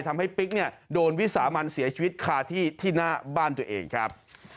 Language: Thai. ทำให้ปิ๊กโดนวิสามันเสียชีวิตคาที่หน้าบ้านตัวเองครับ